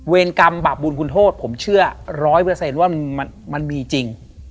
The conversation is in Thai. กรรมบาปบุญคุณโทษผมเชื่อ๑๐๐ว่ามันมีจริง